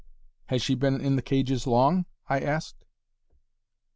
Has she been in the cages long?" I asked.